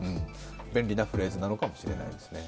便利なフレーズなのかもしれないですね。